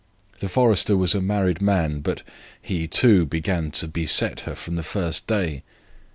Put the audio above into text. The forester was a married man, but he, too, began to annoy her from the first day.